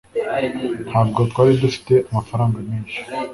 ntabwo twari dufite amafaranga menshi